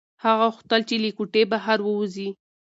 هغه غوښتل چې له کوټې بهر ووځي.